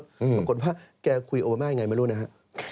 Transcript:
จริงจริงว่าแกคุยอโอบอมาแล้วอะไรก็ไม่รู้นะครับ